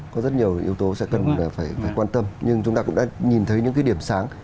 có rất nhiều yếu tố sẽ cần phải quan tâm nhưng chúng ta cũng đã nhìn thấy những cái điểm sáng